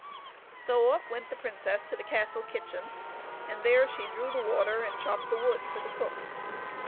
So off went the princess to the castle kitchen, and there she drew the water and chopped the wood for the cook.